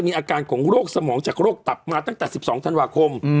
มีอาการของโรคสมองจากโรคตับมาตั้งแต่๑๒ธันวาคม